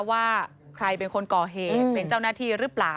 ว่าใครเป็นคนก่อเหตุเป็นเจ้าหน้าที่หรือเปล่า